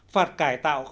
phạt cải tạo không kịp